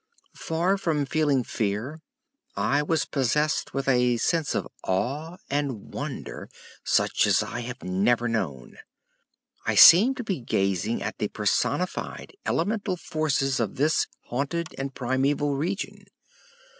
Far from feeling fear, I was possessed with a sense of awe and wonder such as I have never known. I seemed to be gazing at the personified elemental forces of this haunted and primeval region.